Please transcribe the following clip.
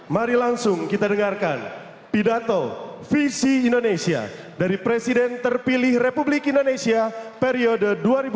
mari langsung kita dengarkan pidato visi indonesia dari presiden terpilih republik indonesia periode dua ribu sembilan belas dua ribu dua puluh empat